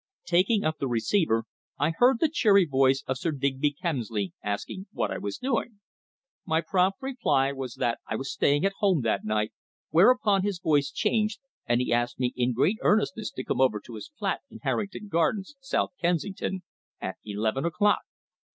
Taking up the receiver I heard the cheery voice of Sir Digby Kemsley asking what I was doing. My prompt reply was that I was staying at home that night, whereupon his voice changed and he asked me in great earnestness to come over to his flat in Harrington Gardens, South Kensington, at eleven o'clock.